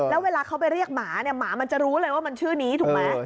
แล้วเวลาเขาไปเรียกหมาเนี่ยหมามันจะรู้เลยว่ามันชื่อนี้ถูกไหม